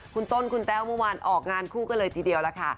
คุณต้นคุณแต้วเมื่อวานออกงานคู่กันเลยทีเดียวล่ะค่ะ